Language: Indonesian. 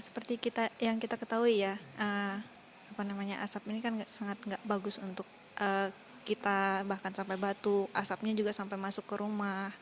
seperti yang kita ketahui ya asap ini kan sangat tidak bagus untuk kita bahkan sampai batu asapnya juga sampai masuk ke rumah